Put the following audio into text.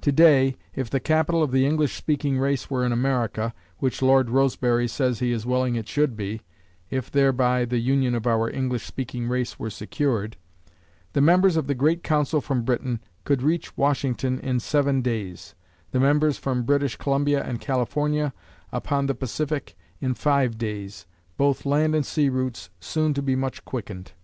To day if the capital of the English speaking race were in America, which Lord Roseberry says he is willing it should be, if thereby the union of our English speaking race were secured, the members of the Great Council from Britain could reach Washington in seven days, the members from British Columbia and California, upon the Pacific, in five days, both land and sea routes soon to be much quickened.